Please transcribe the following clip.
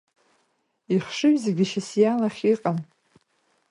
Ихшыҩ зегьы Шьасиа лахь иҟан.